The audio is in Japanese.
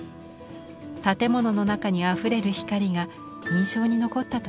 建物の中にあふれる光が印象に残ったといいます。